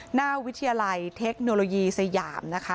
หน้าวิทยาลัยเทคโนโลยีสยามนะคะ